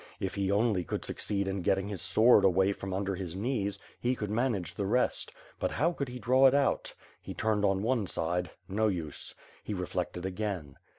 If he only could suc ceed in getting his sword away from under his knees, he could manage the rest; but how could he draw it out. He turned on one side, — no use. He reflected again.